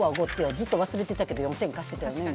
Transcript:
ずっと忘れてたけど４０００円貸してたよねみたいな。